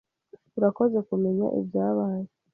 Urakoze kumenya ibyabaye.